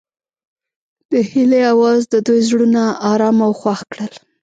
د هیلې اواز د دوی زړونه ارامه او خوښ کړل.